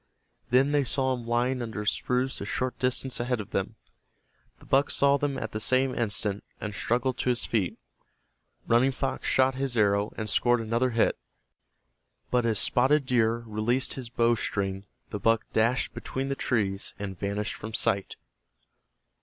Then they saw him lying under a spruce a short distance ahead of them. The buck saw them at the same instant, and struggled to his feet. Running Fox shot his arrow and scored another hit, but as Spotted Deer released his bow string the buck dashed between the trees and vanished from sight.